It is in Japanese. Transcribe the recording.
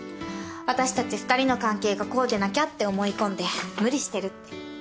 あたしたち２人の関係がこうでなきゃって思い込んで無理してるって。